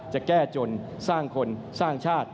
จะแก้จนสร้างคนสร้างชาติ